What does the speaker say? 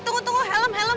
tunggu tunggu helm helm